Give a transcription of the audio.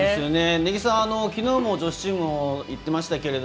根木さん、きのうも女子チームいっていましたけど